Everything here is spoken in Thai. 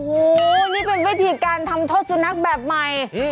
โอ้โหนี่เป็นวิธีการทำโทษสุนัขแบบใหม่